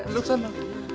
loh ke sana